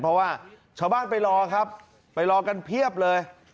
เพราะว่าชาวบ้านไปรอครับไปรอกันเพียบเลย